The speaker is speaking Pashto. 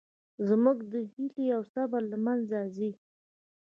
زموږ هیلې او صبر له منځه ځي